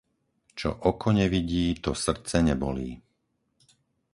Čo oko nevidí to srdce nebolí.